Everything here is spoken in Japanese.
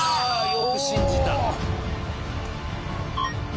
よく信じた。